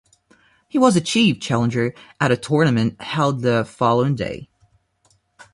He was the chief challenger at the tournament held the following day.